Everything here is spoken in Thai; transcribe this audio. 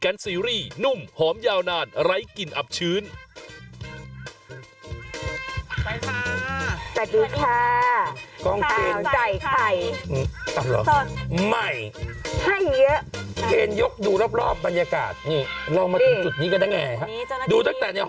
นี่เรามาถึงจุดนี้กันได้ยังไงอ่ะ